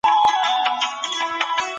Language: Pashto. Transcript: احساساتي خبرې ځای نه نيسي.